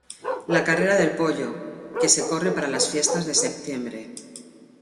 La carrera del pollo, que se corre para las fiestas de septiembre.